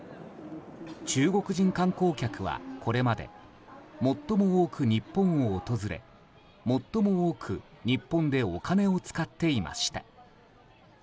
中国人観光客はこれまで、最も多く日本を訪れ最も多く日本でお金を使っていました。